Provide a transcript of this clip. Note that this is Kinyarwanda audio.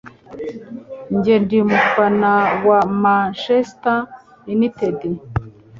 Njye ndi umufana wa Manchester united